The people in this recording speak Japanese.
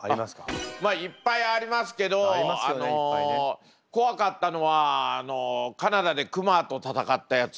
いっぱいありますけど怖かったのはカナダで熊と戦ったやつ。